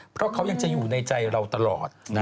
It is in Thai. เพราะเขายังจะอยู่ในใจเราตลอด